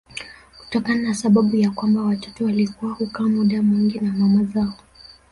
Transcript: Kutokana na sababu ya kwamba watoto walikuwa hukaa muda mwingi na mama zao